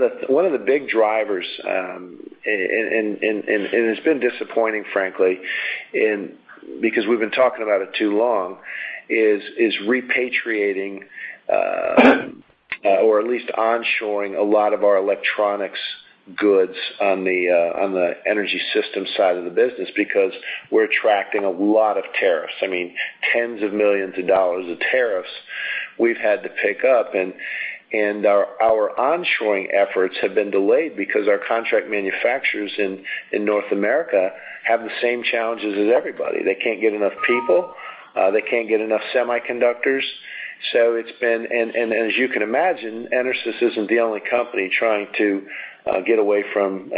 the big drivers, and it's been disappointing, frankly, because we've been talking about it too long, is repatriating or at least onshoring a lot of our electronics goods on the Energy Systems side of the business because we're attracting a lot of tariffs. I mean, $tens of millions of tariffs we've had to pick up, and our onshoring efforts have been delayed because our contract manufacturers in North America have the same challenges as everybody. They can't get enough people, they can't get enough semiconductors. It's been and as you can imagine, EnerSys isn't the only company trying to get away from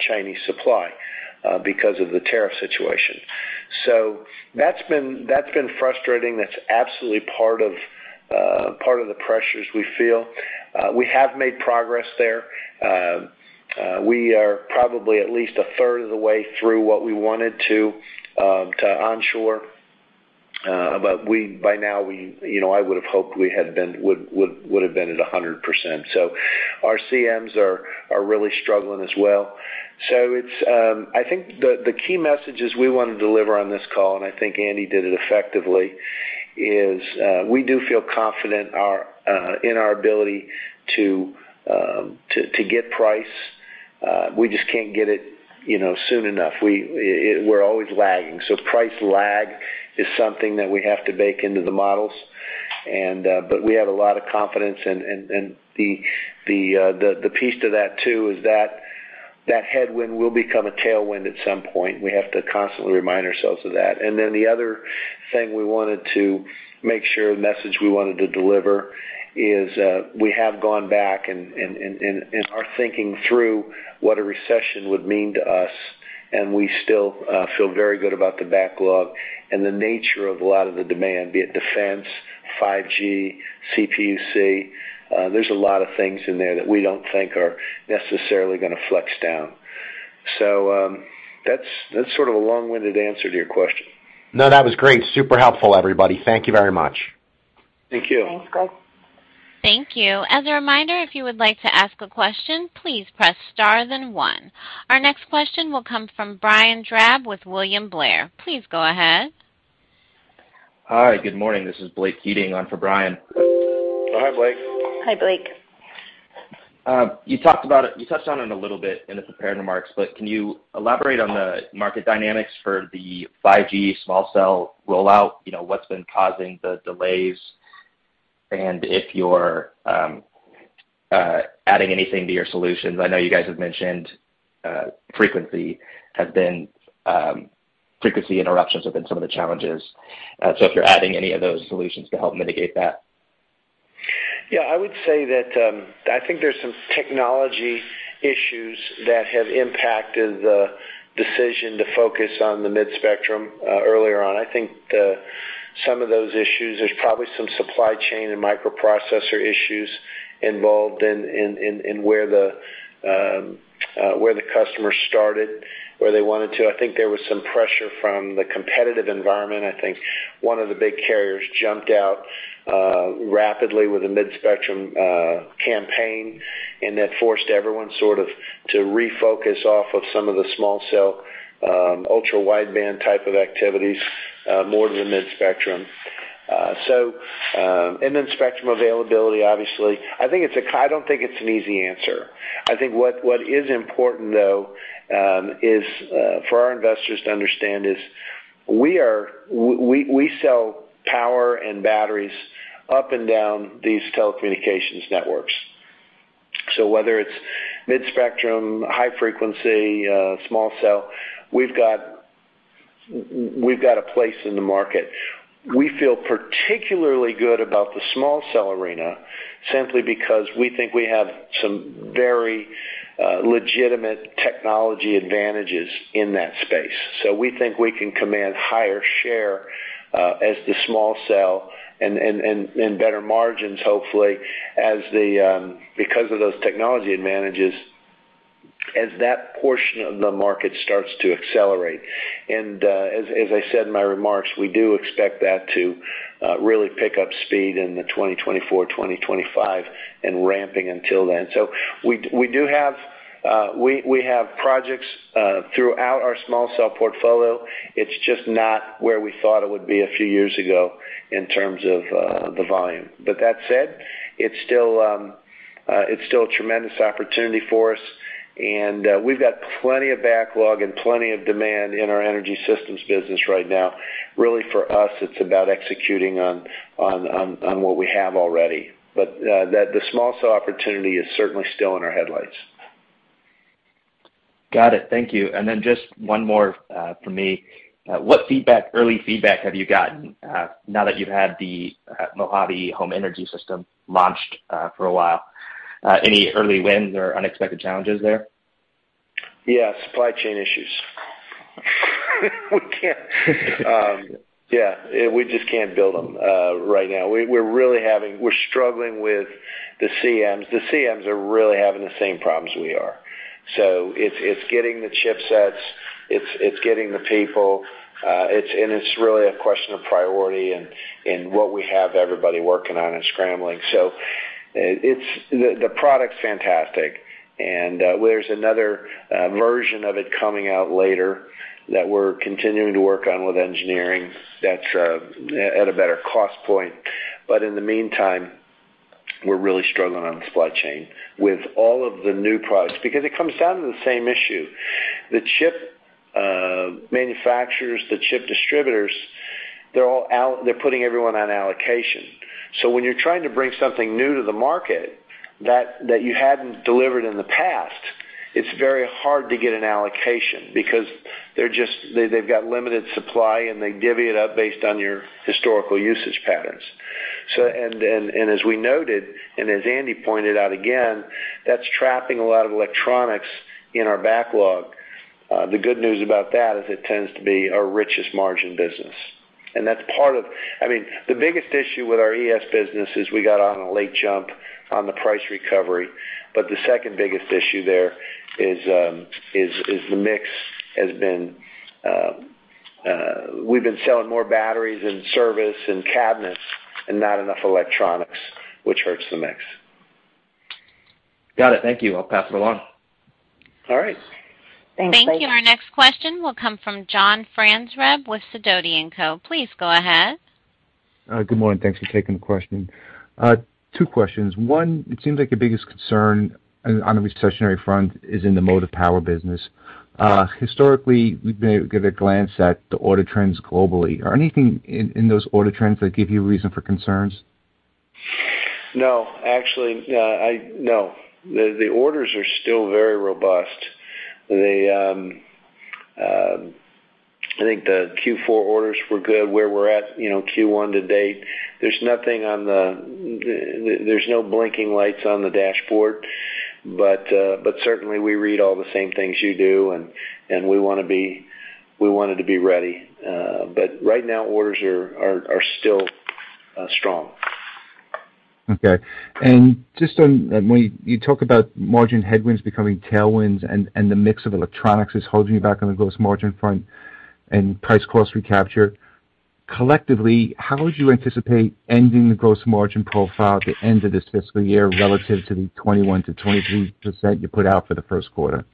Chinese supply because of the tariff situation. That's been frustrating. That's absolutely part of the pressures we feel. We have made progress there. We are probably at least a third of the way through what we wanted to onshore. We you know I would have hoped we would have been at 100%. Our CMs are really struggling as well. It's the key messages we wanna deliver on this call, and I think Andy did it effectively, is we do feel confident in our ability to get price. We just can't get it, you know, soon enough. We're always lagging. Price lag is something that we have to bake into the models. But we have a lot of confidence and the piece to that too is that that headwind will become a tailwind at some point. We have to constantly remind ourselves of that. The other thing we wanted to make sure, message we wanted to deliver is, we have gone back and are thinking through what a recession would mean to us, and we still feel very good about the backlog and the nature of a lot of the demand, be it defense, 5G, CPUC. There's a lot of things in there that we don't think are necessarily gonna flex down. That's sort of a long-winded answer to your question. No, that was great. Super helpful, everybody. Thank you very much. Thank you. Thanks, Greg. Thank you. As a reminder, if you would like to ask a question, please press star then one. Our next question will come from Brian Drab with William Blair. Please go ahead. Hi. Good morning. This is Blake Keating on for Brian. Oh, hi, Blake. Hi, Blake. You touched on it a little bit in the prepared remarks, but can you elaborate on the market dynamics for the 5G small cell rollout? You know, what's been causing the delays? And if you're adding anything to your solutions. I know you guys have mentioned frequency interruptions have been some of the challenges. So if you're adding any of those solutions to help mitigate that. Yeah. I would say that, I think there's some technology issues that have impacted the decision to focus on the mid-spectrum, earlier on. I think some of those issues, there's probably some supply chain and microprocessor issues involved in where the customer started, where they wanted to. I think there was some pressure from the competitive environment. I think one of the big carriers jumped out, rapidly with a mid-spectrum, campaign, and that forced everyone sort of to refocus off of some of the small cell, ultra wideband type of activities, more to the mid-spectrum. Spectrum availability, obviously. I think it's a. I don't think it's an easy answer. I think what is important though is for our investors to understand is we sell power and batteries up and down these telecommunications networks. Whether it's mid-spectrum, high frequency, small cell, we've got a place in the market. We feel particularly good about the small cell arena simply because we think we have some very legitimate technology advantages in that space. We think we can command higher share as the small cell and better margins, hopefully, as the because of those technology advantages, as that portion of the market starts to accelerate. As I said in my remarks, we do expect that to really pick up speed in the 2024, 2025 and ramping until then. We do have projects throughout our small cell portfolio. It's just not where we thought it would be a few years ago in terms of the volume. That said, it's still a tremendous opportunity for us, and we've got plenty of backlog and plenty of demand in our Energy Systems business right now. Really, for us, it's about executing on what we have already. The small cell opportunity is certainly still in our headlights. Got it. Thank you. Just one more from me. What feedback, early feedback have you gotten, now that you've had the Mojave home energy system launched, for a while? Any early wins or unexpected challenges there? Supply chain issues. We can't. We just can't build them right now. We're struggling with the CMs. The CMs are really having the same problems we are. So it's getting the chipsets. It's getting the people. It's really a question of priority and what we have everybody working on and scrambling. So it's. The product's fantastic. There's another version of it coming out later that we're continuing to work on with engineering that's at a better cost point. But in the meantime, we're really struggling on the supply chain with all of the new products because it comes down to the same issue. The chip manufacturers, the chip distributors, they're all out. They're putting everyone on allocation. When you're trying to bring something new to the market that you hadn't delivered in the past, it's very hard to get an allocation because they just have limited supply, and they divvy it up based on your historical usage patterns. As we noted, and as Andi pointed out again, that's trapping a lot of electronics in our backlog. The good news about that is it tends to be our richest margin business. That's part of I mean, the biggest issue with our ES business is we got a late jump on the price recovery. The second biggest issue there is the mix has been. We've been selling more batteries and service and cabinets and not enough electronics, which hurts the mix. Got it. Thank you. I'll pass it along. All right. Thanks. Thank you. Our next question will come from John Franzreb with Sidoti & Company. Please go ahead. Good morning. Thanks for taking the question. Two questions. One, it seems like your biggest concern on the recessionary front is in the Motive Power business. Historically, we've been able to get a glance at the order trends globally. Are anything in those order trends that give you reason for concerns? No. Actually, the orders are still very robust. They, I think the Q4 orders were good. Where we're at, you know, Q1 to date, there's no blinking lights on the dashboard. Certainly we read all the same things you do, and we wanted to be ready. Right now orders are still strong. Okay. Just on, when you talk about margin headwinds becoming tailwinds and the mix of electronics is holding you back on the gross margin front and price cost recapture, collectively, how would you anticipate ending the gross margin profile at the end of this fiscal year relative to the 21%-23% you put out for the first quarter?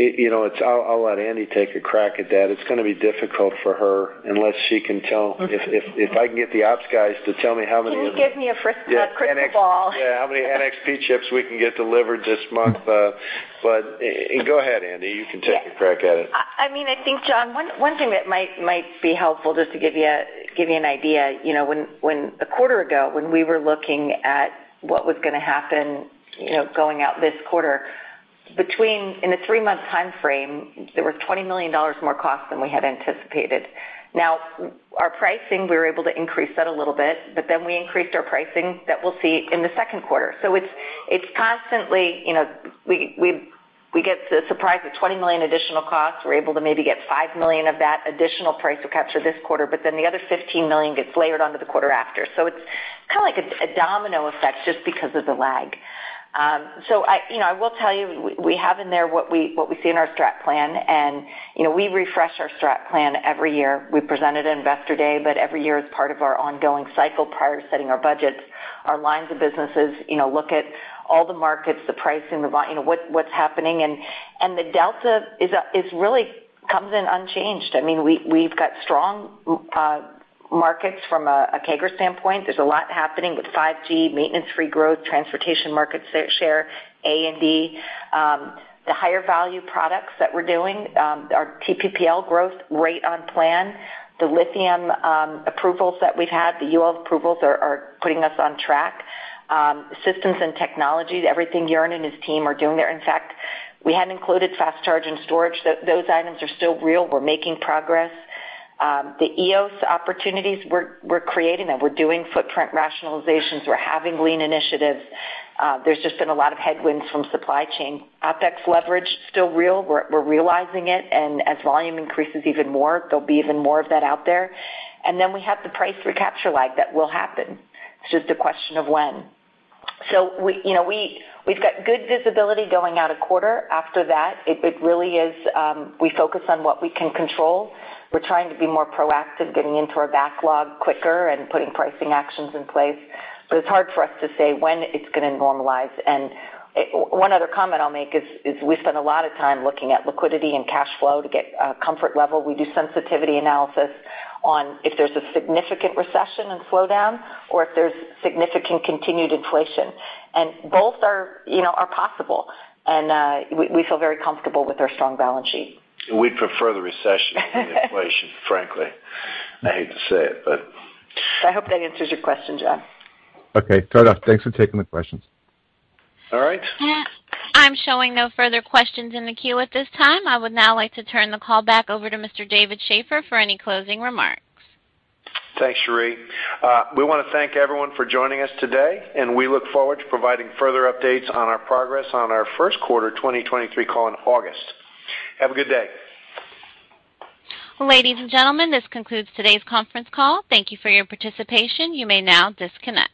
You know, I'll let Andi take a crack at that. It's gonna be difficult for her unless she can tell. Okay. If I can get the ops guys to tell me how many. Can you give me a crys- Yeah. A crystal ball? Yeah, how many NXP chips we can get delivered this month? Go ahead, Andi. You can take a crack at it. I mean, I think, John, one thing that might be helpful just to give you an idea, you know, when a quarter ago, when we were looking at what was gonna happen, you know, going out this quarter, in a three-month timeframe, there were $20 million more cost than we had anticipated. Now, our pricing, we were able to increase that a little bit, but then we increased our pricing that we'll see in the second quarter. So it's constantly, you know, we get surprised with $20 million additional costs. We're able to maybe get $5 million of that additional price we capture this quarter, but then the other $15 million gets layered onto the quarter after. So it's kinda like a domino effect just because of the lag. I will tell you, we have in there what we see in our strat plan, and you know, we refresh our strat plan every year. We present it at Investor Day, but every year as part of our ongoing cycle prior to setting our budgets, our lines of businesses, you know, look at all the markets, the pricing, you know, what's happening. The delta really comes in unchanged. I mean, we've got strong markets from a CAGR standpoint. There's a lot happening with 5G, maintenance-free growth, transportation market share, A&D. The higher value products that we're doing, our TPPL growth rate on plan, the lithium approvals that we've had, the UL approvals are putting us on track. Systems and technologies, everything Joern and his team are doing there. In fact, we hadn't included fast charge and storage. Those items are still real. We're making progress. The EOS opportunities, we're creating them. We're doing footprint rationalizations. We're having lean initiatives. There's just been a lot of headwinds from supply chain. OpEx leverage, still real. We're realizing it. As volume increases even more, there'll be even more of that out there. Then we have the price recapture lag that will happen. It's just a question of when. You know, we've got good visibility going out a quarter. After that, it really is we focus on what we can control. We're trying to be more proactive, getting into our backlog quicker and putting pricing actions in place. It's hard for us to say when it's gonna normalize. One other comment I'll make is we spend a lot of time looking at liquidity and cash flow to get a comfort level. We do sensitivity analysis on if there's a significant recession and slowdown or if there's significant continued inflation. Both are, you know, possible. We feel very comfortable with our strong balance sheet. We'd prefer the recession rather than inflation, frankly. I hate to say it, but. I hope that answers your question, John. Okay. Fair enough. Thanks for taking the questions. All right. I'm showing no further questions in the queue at this time. I would now like to turn the call back over to Mr. David Shaffer for any closing remarks. Thanks, Sheree. We wanna thank everyone for joining us today, and we look forward to providing further updates on our progress on our first quarter 2023 call in August. Have a good day. Ladies and gentlemen, this concludes today's conference call. Thank you for your participation. You may now disconnect.